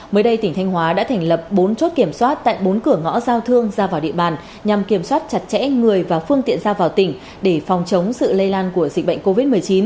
mới đây tỉnh thanh hóa đã thành lập bốn chốt kiểm soát tại bốn cửa ngõ giao thương ra vào địa bàn nhằm kiểm soát chặt chẽ người và phương tiện ra vào tỉnh để phòng chống sự lây lan của dịch bệnh covid một mươi chín